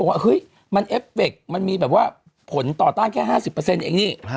บอกว่าเฮ้ยมันเอฟเฟกต์มันมีผลต่อต้านแค่๕๐อย่างนี้